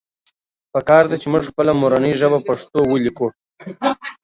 پکار ده چې مونږ خپله مورنۍ ژبه پښتو وليکو